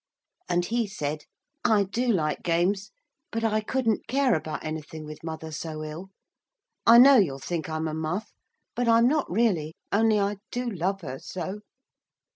And he said, 'I do like games, but I couldn't care about anything with mother so ill. I know you'll think I'm a muff, but I'm not really, only I do love her so.'